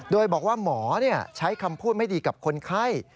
โดยบอกว่าหมอใช้คำพูดไม่ดีกับคนไข้